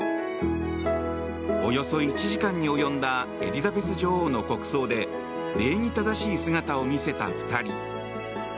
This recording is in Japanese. およそ１時間に及んだエリザベス女王の国葬で礼儀正しい姿を見せた２人。